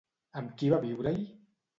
Amb qui va viure-hi?